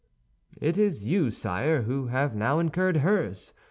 "It is you, sire, who have now incurred hers.